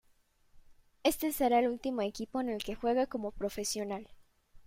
Este será el último equipo en el que juegue como profesional.